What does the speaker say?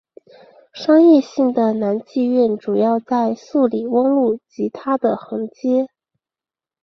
商业性的男妓院主要在素里翁路及它的横街。